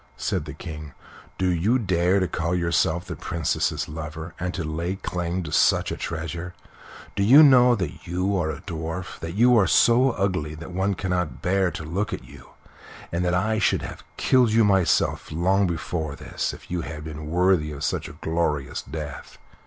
said the King; "do you dare to call yourself the Princess's lover, and to lay claim to such a treasure? Do you know that you are a dwarf that you are so ugly that one cannot bear to look at you and that I should have killed you myself long before this if you had been worthy of such a glorious death?"